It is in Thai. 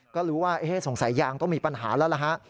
ก็รู้ว่าสงสัยยางต้องมีปัญหาแล้วล่ะฮะ